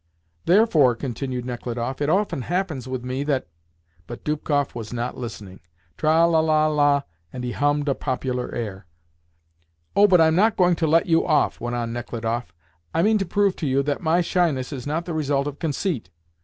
"Therefore," continued Nechludoff, "it often happens with me that—" But Dubkoff was not listening. "Tra la la la," and he hummed a popular air. "Oh, but I'm not going to let you off," went on Nechludoff. "I mean to prove to you that my shyness is not the result of conceit."